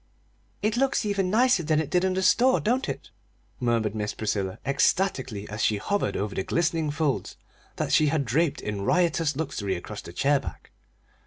"It looks even nicer than it did in the store, don't it?" murmured Miss Priscilla, ecstatically, as she hovered over the glistening folds that she had draped in riotous luxury across the chair back.